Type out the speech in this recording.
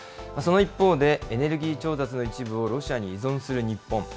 その一方で、エネルギー調達の一部をロシアに依存する日本。